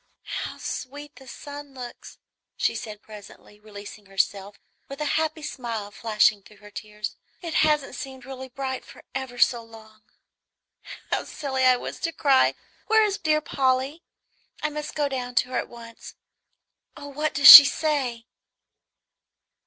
"How sweet the sun looks!" she said presently, releasing herself, with a happy smile flashing through her tears; "it hasn't seemed really bright for ever so long. How silly I was to cry! Where is dear Polly? I must go down to her at once. Oh, what does she say?"